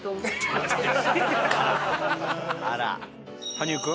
羽生君。